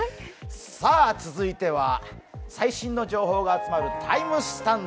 続いては最新の情報が集まるＴＩＭＥスタンド。